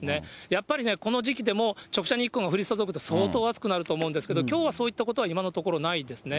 やっぱりね、この時期でも直射日光が降り注ぐと相当暑くなると思うんですけど、きょうはそういったことは今のところないですね。